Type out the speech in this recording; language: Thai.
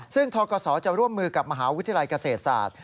ซึ่งทกศจะร่วมมือกับมหาวิทยาลัยเกษตรศาสตร์